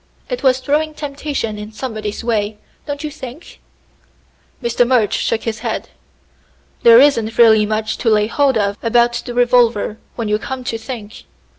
"It was throwing temptation in somebody's way, don't you think?" Mr. Murch shook his head. "There isn't really much to lay hold of about the revolver, when you come to think.